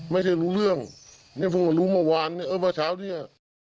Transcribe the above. ไม่ได้รู้เรื่องนี่ผมรู้เมื่อวานเออเมื่อเช้าดิ